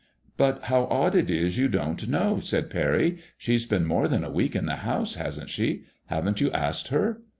" But how odd it is you don't know !" said Parry. " She's been more than a week in the house, hasn't she ? Haven't you asked her?"